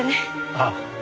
ああ。